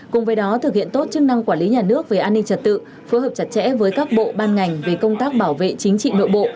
cùng với đó thực hiện tốt chức năng quản lý nhà nước về an ninh trật tự phối hợp chặt chẽ với các bộ ban ngành về công tác bảo vệ chính trị nội bộ